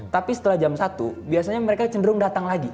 tapi setelah jam satu biasanya mereka cenderung datang lagi